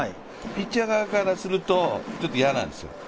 ピッチャー側からすると、ちょっと嫌なんですよ。